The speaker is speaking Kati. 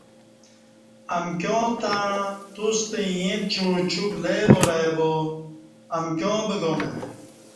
امکیاں تݩع توستہ ییں پچوع چوک لےوار ائ باامکیاں بگانہ